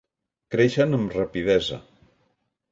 Creixen amb rapidesa.